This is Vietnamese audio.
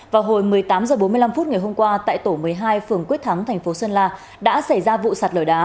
vào hồi một mươi tám h bốn mươi năm phút ngày hôm qua tại tổ một mươi hai phường quyết thắng thành phố sơn la đã xảy ra vụ sạt lở đá